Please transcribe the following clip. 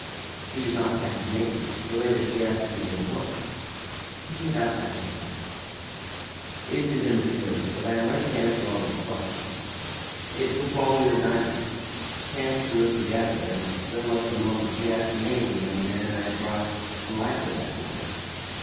"She did not catch his name, for later she asked me what it was." "Tell me about that, Mr. Packard." "It is immaterial; but I am ready to answer all your questions. It was while we were out dining. Chance threw us together, and to fill up the moment she asked the name of the young man I had brought into the library that morning.